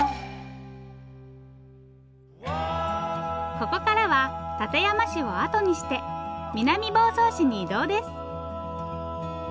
ここからは館山市を後にして南房総市に移動です。